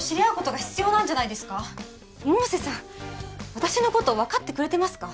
私のことわかってくれてますか？